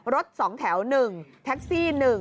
รถ๒แถว๑แท็กซี่๑